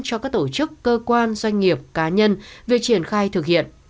cho các tổ chức cơ quan doanh nghiệp cá nhân về triển khai thực hiện